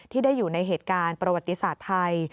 ที่ได้อยู่ในเหตุการณ์ประวัติศาสตร์ไทย